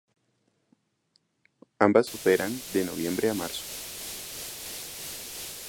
Ambas operan de noviembre a marzo.